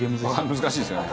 難しいですよね。